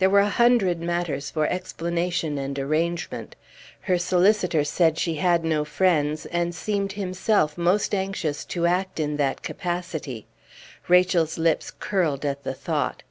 There were a hundred matters for explanation and arrangement. Her solicitor said she had no friends, and seemed himself most anxious to act in that capacity. Rachel's lips curled at the thought.